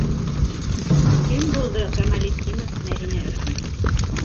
Кем булды Камалетдинов Мәҙинә өсөн?